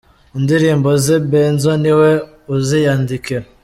Indirimbo ze, Benzo ni we uziyandikira.